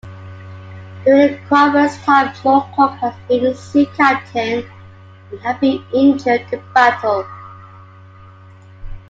During Cromwell's time Morecock had been a sea-captain and had been injured in battle.